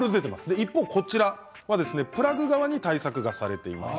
一方、こちらプラグ側に対策がされています。